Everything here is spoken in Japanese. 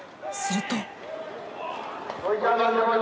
すると。